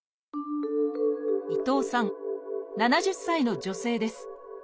伊藤さん７０歳の女性です。